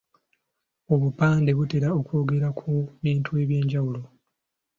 Obupande butera okwogera ku bintu eby’enjawulo.